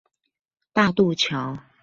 大度橋